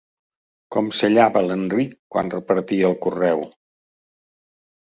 Com sallava, l'Enric, quan repartia el correu!